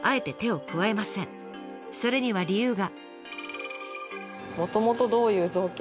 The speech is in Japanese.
それには理由が。